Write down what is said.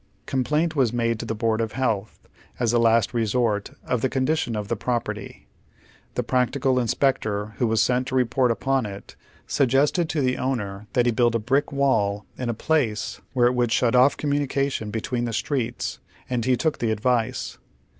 Complaint was made to the Board of Health, as a last resort, of the con dition of the property. The practical inspector who was sent to report upon it suggested to the owner that he build a brick wall in a place where it would shut off com munication between the streets, and he took the advice.